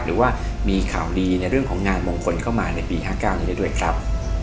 หรือว่ามีข่าวดีในเรื่องของงานมงคลเข้ามาในปี๕๙นี้ได้ด้วยครับ